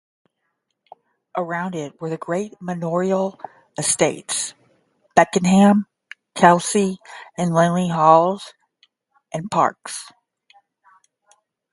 Around it were the great manorial estates: Beckenham, Kelsey and Langley Halls and Parks.